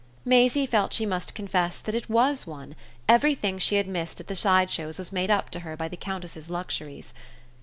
Maisie felt she must confess that it WAS one; everything she had missed at the side shows was made up to her by the Countess's luxuries.